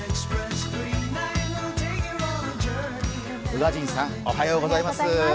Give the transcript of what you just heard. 宇賀神さん、おはようございます。